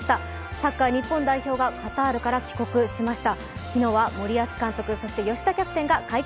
サッカー日本代表がカタールから帰国しました。